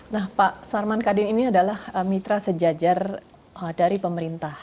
nah pak sarman kadin ini adalah mitra sejajar dari pemerintah